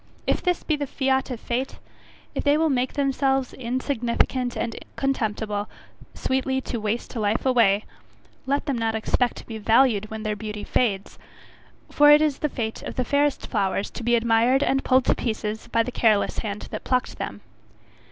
If this be the fiat of fate, if they will make themselves insignificant and contemptible, sweetly to waste "life away," let them not expect to be valued when their beauty fades, for it is the fate of the fairest flowers to be admired and pulled to pieces by the careless hand that plucked them.